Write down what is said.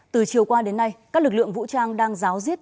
từ chiều qua đến nay các lực lượng vũ trang đang giáo diết